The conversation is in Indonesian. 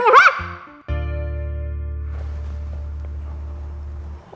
tidak ada tetep rame